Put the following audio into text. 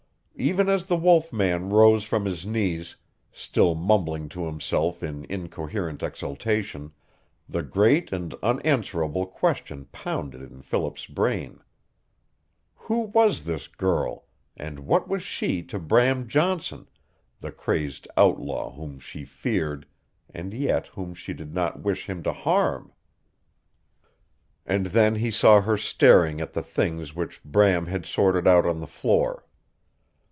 Even as the wolf man rose from his knees, still mumbling to himself in incoherent exultation, the great and unanswerable question pounded in Philip's brain: "Who was this girl, and what was she to Bram Johnson the crazed outlaw whom she feared and yet whom she did not wish him to harm?" And then he saw her staring at the things which Bram had sorted out on the floor.